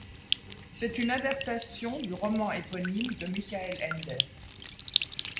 C'est une adaptation du roman éponyme de Michael Ende.